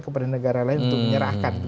kepada negara lain untuk menyerahkan